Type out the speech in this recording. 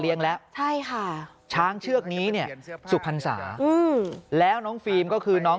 แล้วใช่ค่ะช้างเชือกนี้เนี่ยสุพรรษาแล้วน้องฟิล์มก็คือน้อง